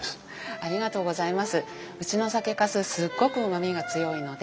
ありがとうございます。